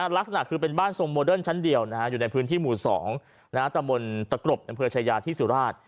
ลักษณะคือเป็นบ้านทรงโมเดิร์นชั้นเดียวอยู่ในพื้นที่หมู่๒ตะบนตะกรบอำเภอชายาที่สุราช